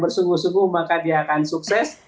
bersungguh sungguh maka dia akan sukses